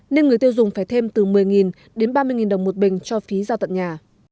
nên người tiêu dùng phải thêm từ một mươi đến ba mươi đồng một bình cho phí giao tận nhà